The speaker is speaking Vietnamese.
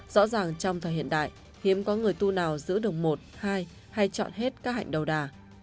rõ ràng trong thời hiện đại hiếm có người tu nào giữ đồng một hai hay chọn hết các hạnh đầu đà